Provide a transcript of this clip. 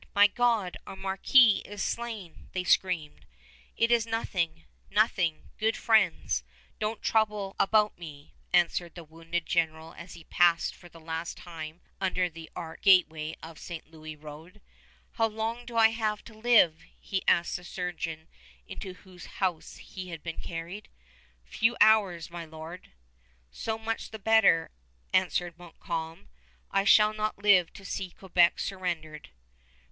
My God! Our marquis is slain!" they screamed. "It is nothing, nothing, good friends; don't trouble about me," answered the wounded general as he passed for the last time under the arched gateway of St. Louis road. "How long have I to live?" he asked the surgeon into whose house he had been carried. "Few hours, my lord." "So much the better," answered Montcalm. "I shall not live to see Quebec surrendered."